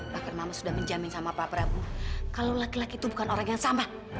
bahkan mama sudah menjamin sama pak prabowo kalau laki laki itu bukan orang yang sama